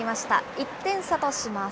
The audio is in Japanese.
１点差とします。